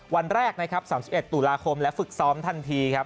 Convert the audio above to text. วันแรกนะครับ๓๑ตุลาคมและฝึกซ้อมทันทีครับ